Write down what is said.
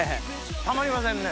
たまりませんね！